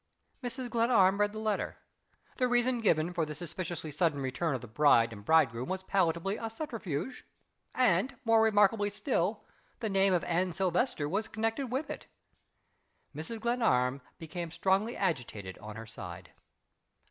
Mrs. Glenarm read the letter. The reason given for the suspiciously sudden return of the bride and bridegroom was palpably a subterfuge and, more remarkable still, the name of Anne Silvester was connected with it. Mrs. Glenarm became strongly agitated on her side.